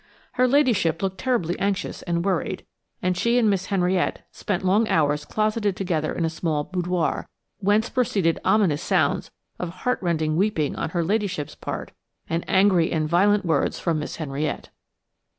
Her ladyship looked terribly anxious and worried, and she and Miss Henriette spent long hours closeted together in a small boudoir, whence proceeded ominous sounds of heartrending weeping on her ladyship's part, and angry and violent words from Miss Henriette.